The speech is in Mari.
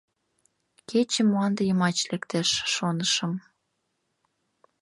— Кече мланде йымач лектеш, шонышым...